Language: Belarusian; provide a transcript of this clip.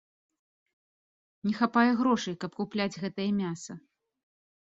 Не хапае грошай, каб купляць гэтае мяса.